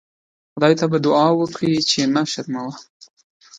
خدای ته به دوعا وکړئ چې مه شرموه.